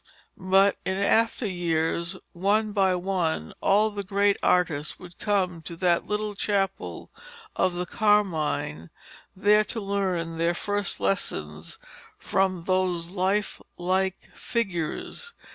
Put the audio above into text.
But in after years, one by one, all the great artists would come to that little chapel of the Carmine there to learn their first lessons from those life like figures.